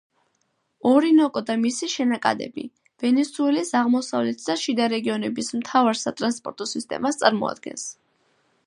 ორინოკო და მისი შენაკადები, ვენესუელის აღმოსავლეთ და შიდა რეგიონების მთავარ სატრანსპორტო სისტემას წარმოადგენს.